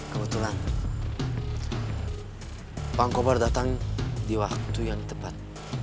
kebetulan bang kobar datang di waktu yang tepat